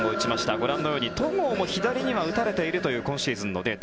ご覧のように戸郷も左には打たれているという今シーズンのデータ。